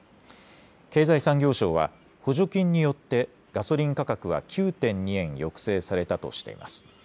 経済産業省は、補助金によって、ガソリン価格は９．２円抑制されたとしています。